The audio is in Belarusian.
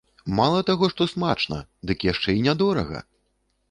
Мала таго, што смачна, дык яшчэ і нядорага!